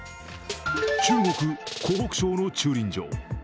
中国・湖北省の駐輪場。